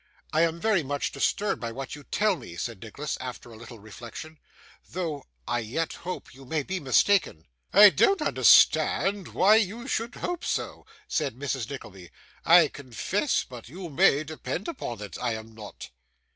'I am very much disturbed by what you tell me,' said Nicholas, after a little reflection, 'though I yet hope you may be mistaken.' 'I don't understand why you should hope so,' said Mrs. Nickleby, 'I confess; but you may depend upon it I am not.